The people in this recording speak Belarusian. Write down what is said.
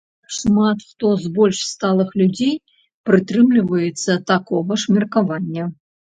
Шмат хто з больш сталых людзей прытрымліваецца такога ж меркавання.